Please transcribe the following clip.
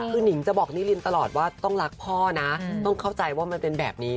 คือนิงจะบอกนิรินตลอดว่าต้องรักพ่อนะต้องเข้าใจว่ามันเป็นแบบนี้